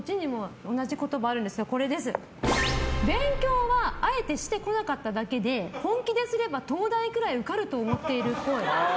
勉強はあえてしてこなかっただけで本気ですれば東大ぐらい受かると思っているっぽい。